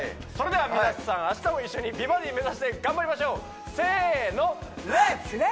それでは皆さん明日も一緒に美バディ目指して頑張りましょうせのレッツ！